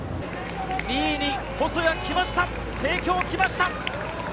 ２位に細谷がきました、帝京きました！